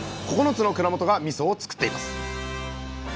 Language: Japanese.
９つの蔵元がみそをつくっています。